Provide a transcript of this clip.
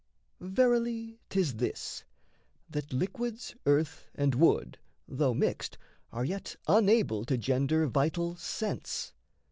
Verily, 'Tis this: that liquids, earth, and wood, though mixed, Are yet unable to gender vital sense.